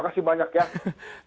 terima kasih banyak ya